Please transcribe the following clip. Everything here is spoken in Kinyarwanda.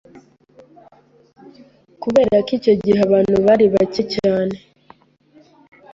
Kubera ko icyo gihe abantu bari bake cyane